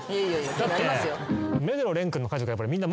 だって。